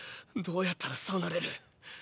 どうやったらそうなれる？